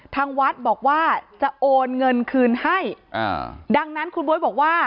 ทางวัดบอกว่าจะโอนเงินคืนให้อ่าดังนั้นคุณบ๊วยบอกว่า